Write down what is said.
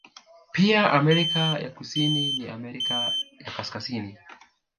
Pia Amerika ya kusini na Amerika ya Kaskazini